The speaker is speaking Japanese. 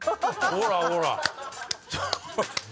ほらほらっ。